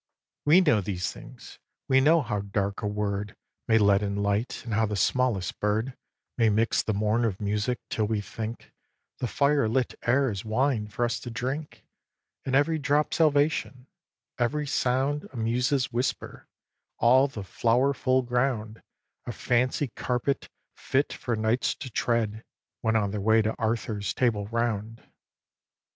xiv. We know these things. We know how dark a word May let in light, and how the smallest bird May mix the morn with music till we think The fire lit air is wine for us to drink, And every drop salvation, every sound A Muse's whisper, all the flower full ground A fancy carpet fit for knights to tread When on their way to Arthur's Table Round.